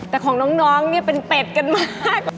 แต่ของน้องเนี่ยเป็นเป็ดกันมาก